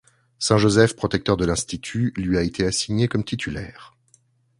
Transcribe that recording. Saint Joseph, protecteur de l'Institut, lui a été assigné comme titulaire.